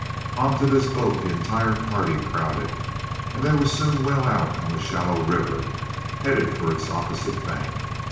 On to this boat the entire party crowded and they were soon well out on the shallow river, headed for its opposite bank.